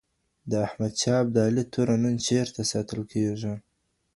د احمد شاه ابدالي توره نن چیرته ساتل کیږي؟